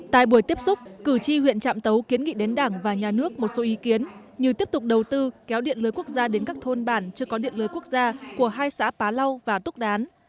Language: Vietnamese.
tại buổi tiếp xúc cử tri huyện trạm tấu kiến nghị đến đảng và nhà nước một số ý kiến như tiếp tục đầu tư kéo điện lưới quốc gia đến các thôn bản chưa có điện lưới quốc gia của hai xã pá lau và túc đán